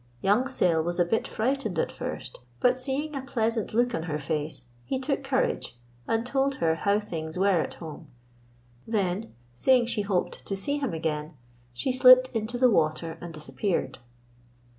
Young Sayle was a bit frightened at first, but seeing a pleasant look on her face, he took courage and told her how things were at home. Then, saying she hoped to see him again, she slipped into the water and disappeared.